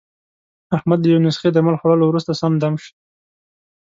احمد له یوې نسخې درمل خوړلو ورسته، سم دم شو.